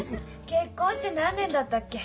結婚して何年だったっけ？